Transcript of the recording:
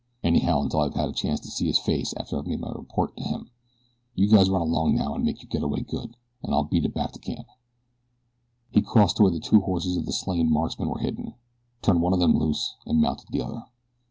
Anyhow until I've had a chance to see his face after I've made my report to him. You guys run along now and make your get away good, an' I'll beat it back to camp." He crossed to where the two horses of the slain marksmen were hidden, turned one of them loose and mounted the other.